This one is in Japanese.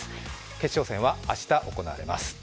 決勝戦は明日、行われます。